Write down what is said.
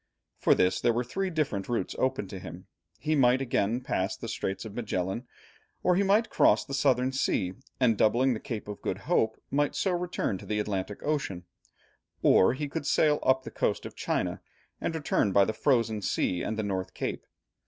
For this, there were three different routes open to him: he might again pass the Strait of Magellan, or he might cross the Southern Sea, and doubling the Cape of Good Hope might so return to the Atlantic Ocean, or he could sail up the coast of China and return by the Frozen Sea and the North Cape.